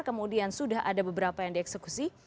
kemudian sudah ada beberapa yang dieksekusi